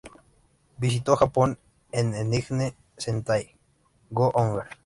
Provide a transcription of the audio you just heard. Visitó Japón en Engine Sentai Go-onger.